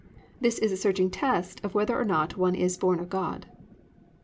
This is a searching test of whether or not one is born of God.